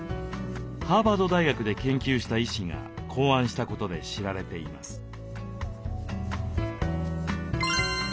ハーバード大学で研究した医師が考案したことで知られています。